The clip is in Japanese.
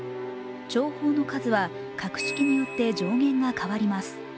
弔砲の数は格式によって上限が変わります。